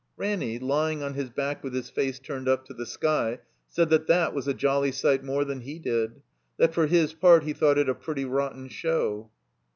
Ranny, lying on his back with his face turned up to the sky, said that that was a jolly sight more than he did ; that for his part he thought it a pretty rotten show.